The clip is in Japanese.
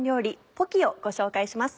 ポキをご紹介します。